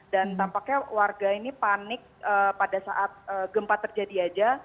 dan tampaknya warga ini panik pada saat gempa terjadi aja